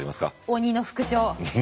鬼の副長。